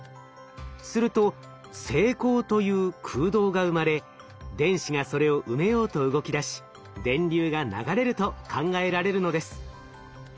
すると正孔という空洞が生まれ電子がそれを埋めようと動きだし電流が流れると考えられるのです。